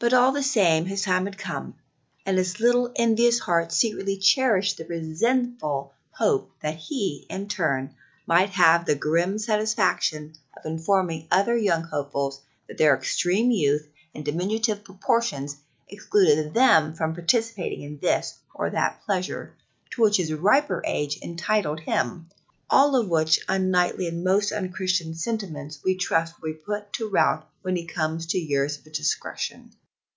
But, all the same, his time would come, and his little envious heart secretly cherished the revengeful hope that he, in turn, might have the grim satisfaction of informing other young hopefuls that their extreme youth and diminutive proportions excluded them from participating in this or that pleasure to which his riper age entitled him, all of which unknightly and most unchristian sentiments we trust will be put to rout when he comes to years of discretion.